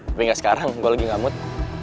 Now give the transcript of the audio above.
tapi ga sekarang gua lagi gamut